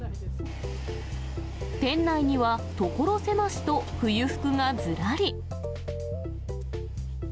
店内には、所狭しと冬服がずらり。